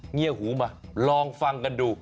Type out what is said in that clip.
เงียบหูมาลองฟังกันดู